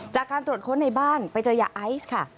จากการตรวจค้นในบ้านไปเจอยาไอซ์ค่ะ